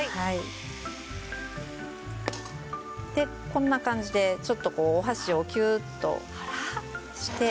こんな感じでちょっとお箸をキューッとして。